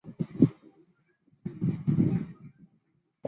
马西奥尼柳索扎是巴西巴伊亚州的一个市镇。